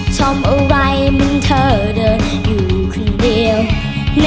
ทำอะไรเหมือนเธอเดินอยู่คนเดียว